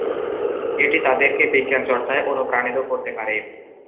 এটি তাদের কে বিজ্ঞান চর্চায় অনুপ্রাণিত করতে পারে।